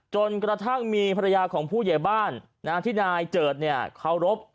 จนกระทั่งมีภรรยาของผู้ใหญ่บ้านที่นายเจิดเคารพ